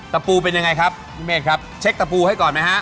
ตะปูเป็นยังไงครับพี่เมฆครับเช็คตะปูให้ก่อนไหมฮะ